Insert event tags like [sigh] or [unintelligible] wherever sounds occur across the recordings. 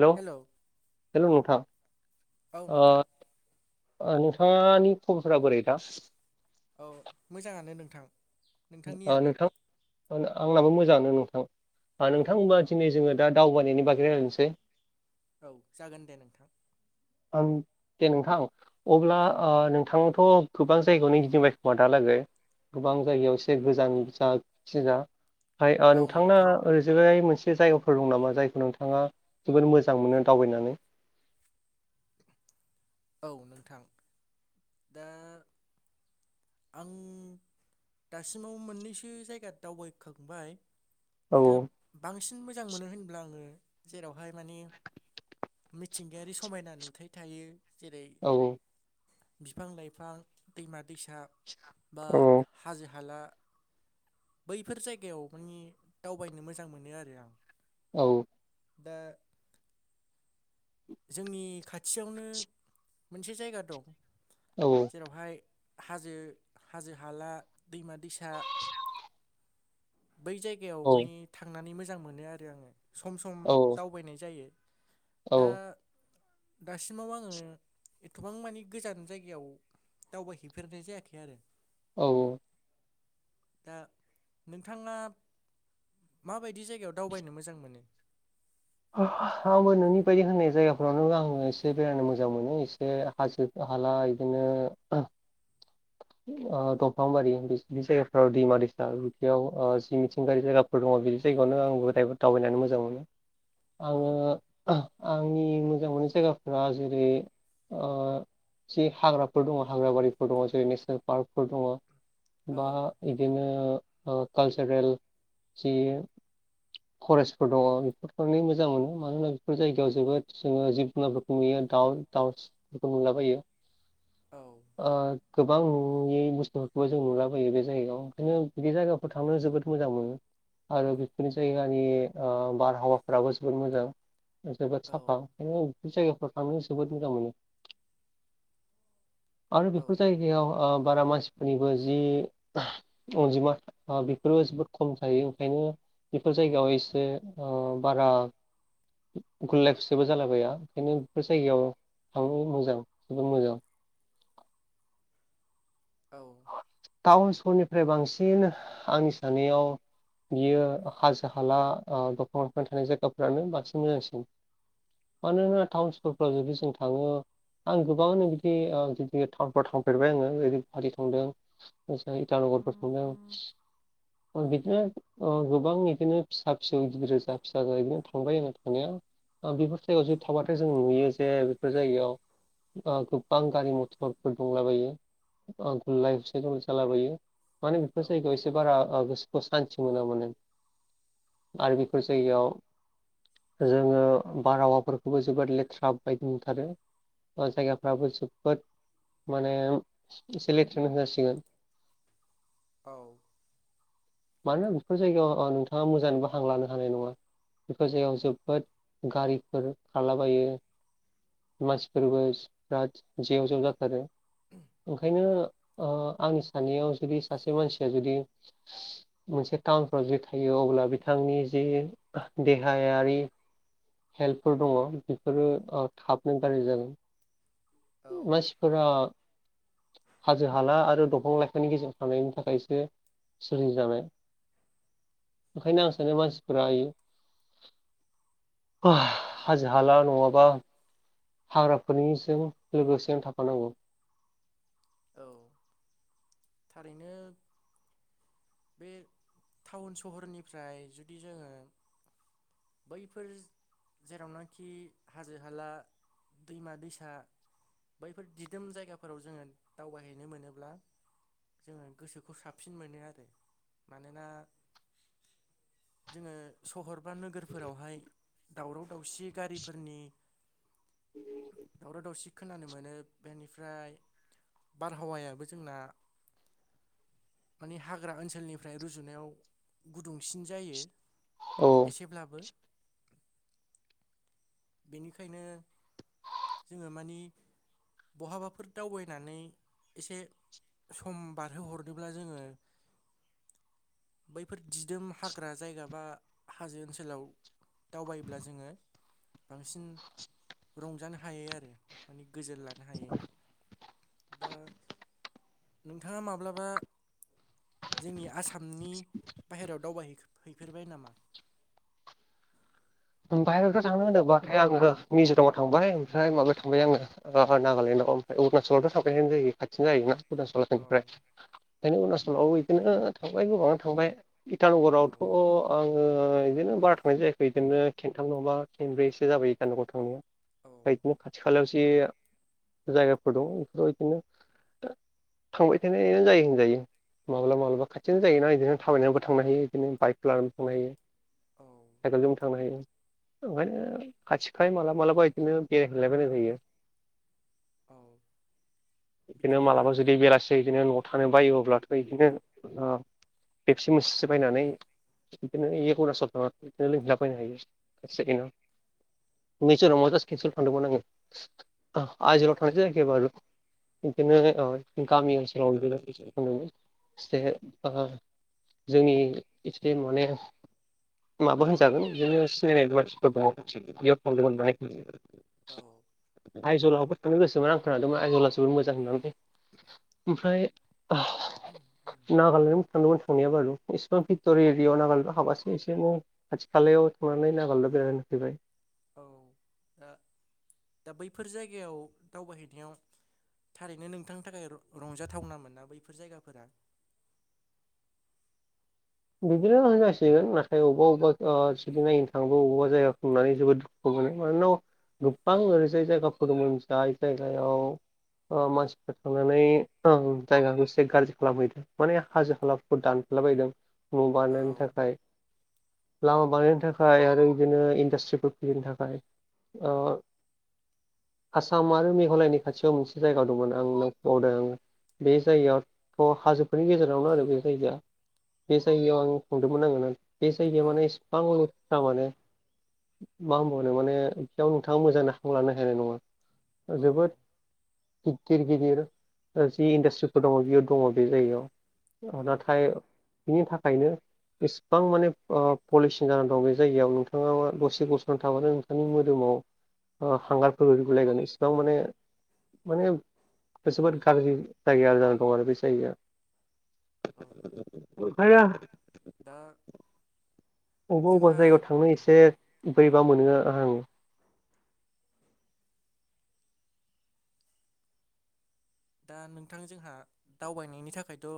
हेल' hello hello नोंथां औ नोंथां नोंथाङनि खबरफ बोरैथा औ मोजाङानो नोंथां नोंथांनियालाय नोंथां आंनाबो मोजाङानो नोंथां औ नोंथांबा दिनै जोङो दा दावबायनायनि बाखै रायनोसै औ जागोन दे नोंथां आं दे नोंथां अब्ला नोंथांथ' गोबां जायगायावनो गिदिंबायखोमा दालागै गोबां जायगायाव ए गोजान जखिा ओमफ्राय औ नोंथांना नोंथां ओरैजहाय मोनसे जायगाफोर दं नामा जायखौ नोंथाङा जोोबद मोजां मोनो दावबायनानै औ नोंथां दा आं दासिमाव मोननैसो जायगा दावबायखांबाय औ दा बांसिन मोजां मोनो होनब्ला आङो जेरावहाय माने मिथिंगायारि समायना नुथाय थायो जेरै औ बिफां लाइफां दैमा दैसा बा औ हाजो हाला बैफोर जायगायाव मानिे दावबायनो मोजां मोनो आरो आं औ दा जोंनि खाथियावनो मोनसे जायगा दं औ जेरावहाय हाजो हाजो हाला दैमा दैसा बै जायगायाव औ मानिे थांनानै मोजां मोनो आरो आङो सम सम औ दावबायनाय जायो दा औ बा दासिमाव आङो एथबां मानि गोजान जायगायाव दावबायहैफेरनाय जायाखै हे आरो औ औ दा नोंथाङा माबायदि जायगायाव दावबायनो मोजां मोनो आंबो न'नि बायदि होननाय जायगाफ्रावनो आङो एसे बेरायनो मोजां मोनो एसे हाजो - हला इदिनो दंफांबारि बे जायगाफोराव दैमा दैसा उथियाव जि मिथिंगारि जायगा फोर दङ बिदि जायगायावनो आंबोदायबो दावबायनानै मोजां मोनो औ आङो आंनि मोजां मोननाय जायगाफोरा जेरै जि हाग्राफोर दङ हाग्रा बारिफोर दङ जेरै नेसनेल पार्कफोर दङ औ बा बिदिनो कालचारेल जि फरेस्टफोर दङ बेफोरखौनो मोजां मोनो मानोोना बेफोर जायगायाव जोबोद जोङो जिब जुनारफोरखौ नुयो दाउ दाउ बेखो नुला बायो औ ओ गोबां नुयै बुस्थुफोरखौबो जों नुलाबयो बे जायगायाव ओंखायनो बिदि जायगाफोराव थांनो जोबोद मोजां मोनो आरो बेफोरनि जायगानि बारहावाफोराबो जोबोद मोजां जोबो औ साफा खायनो बबे जायगाफोर आनि सदनिज मोन बेफोर जायगायाव बारा मानसिफोरनिबो जि अनजिमा बेफोरो जोबोद खम जायो ओंखायनो बेफोर जायगायाव एसे बारा गुुरलाफुसबो जालाबाया ओंखायनो बेफोर जायगायाव थांनो मोजां जद मोजां औ टाउन सहरनिफ्राय बांसिन आंनि सानैाव बियो हाजो हाला दफां लाफां थानाय जायगाफ्रानो बांसिन मोजांसिन मानोना टाउन स्कुलफ्राव जुदि जों थाङो आं गोबाङानो बिदि ज टाउनफ्राव थांफेरबाय आङो ओ सदों इटानगरफोर संदों बिदिनो गोबां बिदिनो फिसा फिसौ गिदिर जा फिसा बिदिनो थांबाय आरो थांनाया बेफोर जायगायाव जुदि थाबाथाय जों नुयो जे बेफोर जायगायाव गोबां गारि मथरफोर दंलाबायो गुललााय गुसे गल जालाबायो माने बेफोर औ जायगायाव एसे एसे बारा गोसोखौ सान्थि मोना मोनो आरो बेफोर जायगायाव जोङो बारहावाफोरखौबो जोबोद लेथ्रा बायदि नथारो जायगाफ्राबो जोबोद माने एसे लेथ्रनो जासिगोन औ मानोना बेफोर जायगायाव नोंथाङा मोजाङबो हां लानो हानाय नङा बेफोर जायगायाव जोबोद गारिफोर खारलाबायो मानसिफोरबो बिराद जेव जेव जाथारो उम ओंखायनो आंनि सानैाव जुदि सासे मानसिया जुदि मोनसे टाउनफ्राव जे थायो अब्ला बिथांनि जे देहायारि हेल्पफोर दङ बेफोरो थाबनो गाज्रि जागोन औ मानसिफोरा हाजो हाला आरो दंफां लाइफानि गेजेराव थानायांनायनि थाखायसो सलिजानाय ओंखायनो आं सानो मानसिफोरा आयो हाज हाल न आाबा हाग्राफोरनिजों लोगोसे आनो थाफानांगौ औ थारैनो बे टाउन सहरनिफ्राय जुदि जोङो बैफोर जेरावनाखि हाजो हाला दैमा दैसा बैफोर दिदोम जायगाफोराव जोङो दावबायहैनो मोनोब्ला जोङो गोसोखौ साबसिन मोनो आरो मानोना जोङो सहर बा नोगोर फोरावहाय दावराव दावसि गारिफोरनि दावराव दावसि खोनानो मोनो बेनिफ्राय बारहावायाबो जोंना मानिे हाग्रा ओनसोलनिफ्राय रुजुनायाव गुदुंसिन जायो औ एसेब्लाबो बेनिखायनो जोङो मानि बहाबाफोर दावबायनानै एसे सम बारहोहरनोब्ला जोङो बैफोर दिदोम हाग्रा जायगा बा हाजो ओनसोलाव दावबायोब्ला जोङो बांसिन रंजानो हाय आरो माने गोजोन लानो हायायो दा नोंथाङा माब्लाबा जोंनि आसामनि बाहेरायाव दावबायै हैफेरबाय नामा बाहेरायावथ' थांनो होनोबथायाय आङो मिज'रामाव थांबाय ओमफ्राय माबायाव थांबाय आङो अ नागालेण्डआव ओमफ्राय अरुणचलावथ' साबायानो जायो खाथिनो जायोना औ अुचलनिफ्राय ओंखायनो अरुणनाचलाव बिदिनो थांबाय गोबाङ थांबाय औ इटानगरावथ' आङो बिदिनो बारा थांनाय जायाखै बिदिनो खन्थाम नङाबा खेनब्रैसो जाबायो गानन गौ थांनाया औ ओमफ्राय बिदिनो खाथि खालायावसो जायगाफोर दं बेफोराव बिदिनो थांबाय थानायनो जायो होनजायो माब्लाबा माब्लाबा खाथिनो जायोना बिदिनो थाबायनायावबो थांनो हायो बिदिनो बाइकखौ लानानैबो थांनो हायो औ साइकेलजों थांनो हायो ओंखायनो खाथि खालाय माला मालाबा बिदिनो बेरायहैायबायनाय जायो औ बिदिनो बिदिब्ला मालाबा जुदि बेलासि बिदिनो न' थानो बायो अब्लाथ' बिदिनो बेबसि मुसस बायनानै बिदिनो एकार सन बिदिनो लोंहलाबायैनो हायो क नसना जास्ट केन्सेल खालामानदोंमोन औ आङो [unintelligible] [unintelligible] जोंनि एसे माने माबा होनजागोन जोङो [unintelligible] औ आइजलआवबो थांनो गोसोमोन आं खोनादोंमोन आइजला जोबो मोजां होननानै ओमफ्राय नागालेण्ड सानदुं संनिया बारु इसिबां भिक्ट'रि एरिआव नागालबा हाबासो एसेनो खाथि खालायाव सांनानै नागालनो बेरायनोफैबाय औ दा दा बैफोर जायगायाव दावबायहैनायाव थारैनो नोंथांनि थाखाय रंजाथावन मोनना बैफोर जायगाफोरा बिदिनो होनजासिगोन नाथाय अबेबा अबेबा सिग नायनो थांबा बबावबा जायगाखौ ननानै जोबोद दुखु मोनो मानोना गोबां औ ओरैजाय जायगाफोर दंमोन जाय जायगायाव मानसिफ्रा थांनानै जायगाखौ एसे गाज्रि खालामहैदों माने हाजो हालाखौ दानफेरलाबायदों न' बानायनायनि औ थाखाय लामा बानायनो थाखाय आरो बिदिनो इन्डास्ट्रिफोर खुलिनो थाखाय औ आसाम आरो मेघालयनि खाथियाव मोनसे जायगा दंमोन आं नबावदों आ बे जायगायाथ' हाजोफोरनि गेजेरावनो आरो बे जायगाया बे जायगायाव आं हमदोंमोन आङो बे जायगायाव माने इसेबां सा माने मा होनबावनो माने थियाव नोंथाङा मोजां लानो हैनाय नङा औ जोबोद गिदिर गिदिर जि इन्डासट्रिफोर दङ' बियो दङ' बे जायगायाव औ नाथाय नि थाखायनो इसिबां माने पलिसन जानानै दं बे जायगायाव नोंथाङा दसे गस'नानै थाबानो दानि मोदोमाव हांगारफोर होलायगोन इसिबां माने माने बे औ जोबोद गाज्रि जायगाया जानानै दं आरो बे जायगाया औ ओंखायनो दा अबेबा अबेबा जोंहा जायगायाव थांनो एसे औ बोरैबा मोनो आं दा नोंथां जोंहा दावबायनायनि थाखायथ'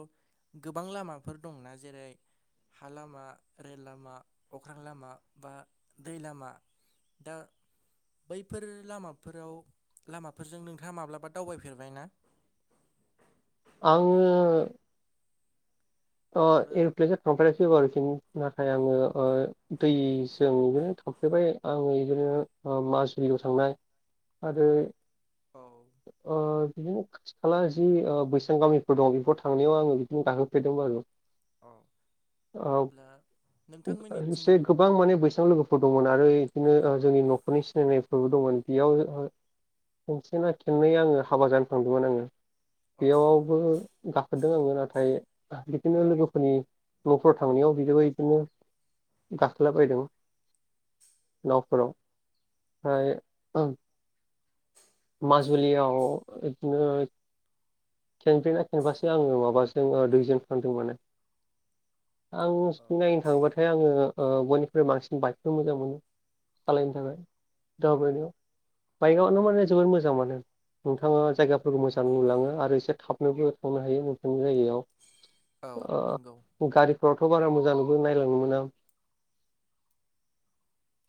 गोबां लामाफोर दंना जेरै हा लामा रेल लामा अख्रां लामा बा दै लामा। दा बैफोर लामाफोराव लामाफोरजों नोंथाङा माब्लाबा दावबायफेरबाय ना? आङो अ एबा एर'प्लेेनजों थांफेराखै [unintelligible] नाथाय औ आङो दैजों बिदिनो थांफेरबाय आङो बिदिनो माजुलियाव थांनाय आरो औ बिदिनो खाथि खाला जि बैसां गामिफोर दं बेफोराव थांनायाव आङो बिदिनो गाखोफेरदोंमोन आरो औ औ अब्ला नोंथांमोननिथिं एसे गोबां माने बैसां लो फोर दंमोन आरो बिदिनो जोंनि न'खरनि सिनायनायफोरबो दंमोन बेयाव खेसेना खेंनै आङो हाबा जानो थांदोंमोन आङो। औ बेयावबो गाखोदों आङो नाथाय बिदिनो लोगोफोरनि न'फ्राव थांनायाव [unintelligible] बिदिनो गाखोलाबायदों। नावफोराव ओमफ्राय ओं माजुलियाव बिदिनो खेनब्रेना खेनबासो आङो माबाजों दुइजन फानदों माने आं औ नायनो थाङोबाथाय आङो ओ बयनिफ्राय बांसिन बाइकखौ मोजां मोनो। सालायनो थाखाय दावबायनायाव औ बाइकआवनो माने जोबोद मोजां मोनो नोंथाङा जायगाफोरखौ मोजां नुलाङो आरो एसे थाबनोबो थांनो हायो नोंथांनि औ जायगायाव नंगौ ओ गारिफ्रावथ' बारा मोजांबो नायलांनो मोना।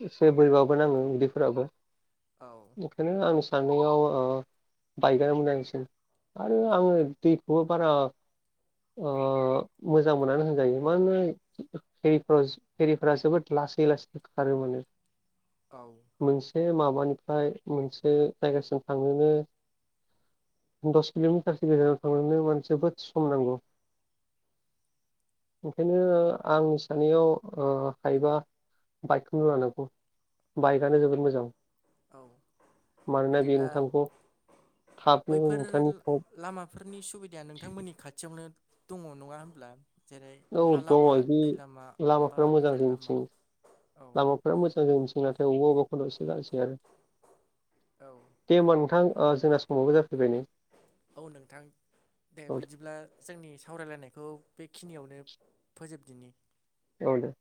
एसे बोरैबाबो नाङो उदैफोराबो औ। ओंखायनो आं सान्नायाव ओ बाइकआनो मोजांसिन। आरो आङो दैखौबो बारा ओ मोजां मोननानै होनजायो मानोना हिफ्राव एरिफोरा जोबोद लासै लासै खारो माने औ। मोनसे माबानिफ्राय मोनसे जायगासिम थांनोनो दस किल'मिटारसो गेजानाव थांनोनो मानसि जोबोद सम नांगौ। ओंखायनो आं साननायाव ओ हाइबा बाइकखौनो लानांगौ बाइकआनो जोबोद मोजां। औ मानोना बे बिदिब्ला नोंथांखौ थाबनो बैफोर नोंथांनि लामाफोरनि सुबिदाया नोंथांमोननि खाथियावनो दङ नङा होमब्ला। जेरै औ हा दङ लामा बिदि दै लामा बा लामाफोरा रेल लामा औ। बिराद मोजां जोंनिथिं नाथाय अबेबा अबेबा [unintelligible] औ दे होमबा नोंथां ओ जोंना समावबो जाफैबाय नै। औ नोंथां दे बिदिब्ला जोंनि सावरायलायनायखौ बेखिनियावनो फोजोबदिनि। औ दे